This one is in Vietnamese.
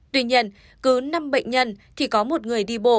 tuy nhiên cứ năm bệnh nhân thì có một người đi bộ